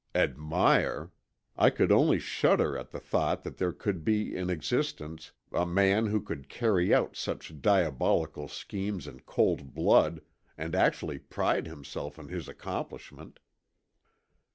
Admire! I could only shudder at the thought that there could be in existence a man who could carry out such diabolical schemes in cold blood, and actually pride himself on his accomplishment.